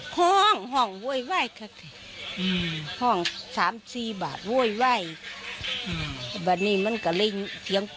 ห้องห้องเว้ยเว้ยค่ะห้องสามสี่บาทเว้ยเว้ย